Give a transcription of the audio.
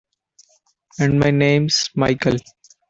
And my name's Michael.